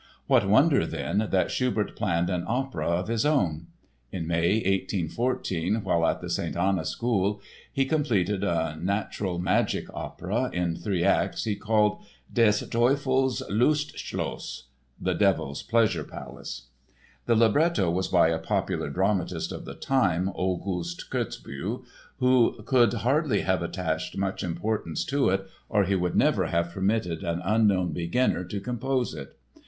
What wonder, then, that Schubert planned an opera of his own? In May, 1814, while at the St. Anna School, he completed a "natural magic opera" in three acts called Des Teufels Lustschloss ("The Devil's Pleasure Palace"). The libretto was by a popular dramatist of the time, August Kotzebue, who could hardly have attached much importance to it or he would never have permitted an unknown beginner to compose it.